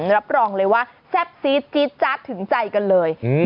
รับรองเลยว่าแซ่บซีดจี๊ดจัดถึงใจกันเลย